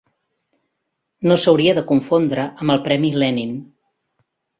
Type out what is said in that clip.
No s'hauria de confondre amb el Premi Lenin.